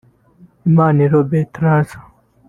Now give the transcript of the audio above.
Imaniriho Balthazar